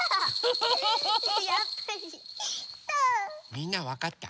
みんなわかった？